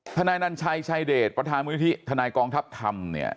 ธนายนันชัยชายเดชพระธามือที่ธนายกองทัพธรรมเนี่ย